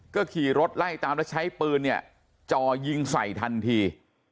ก็ขี่รถไล่ตามแล้วใช้ปืนเนี่ยจ่อยิงใส่ทันที